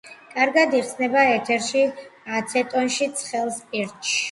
კარგად იხსნება ეთერში, აცეტონში, ცხელ სპირტში.